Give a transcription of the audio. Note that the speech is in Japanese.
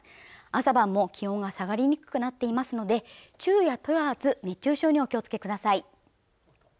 朝晩も気温が下がりにくくなっていますので昼夜問わず熱中症にお気をつけください